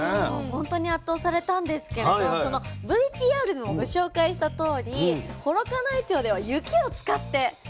本当に圧倒されたんですけれどＶＴＲでもご紹介したとおり幌加内町では雪を使ってそばを保存してるんですよ。